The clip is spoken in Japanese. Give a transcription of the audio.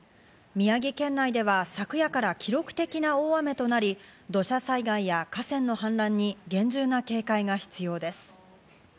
宮城県内では昨夜から記録的な大雨となり、土砂災害や河川の氾濫に厳重な警戒が必要です。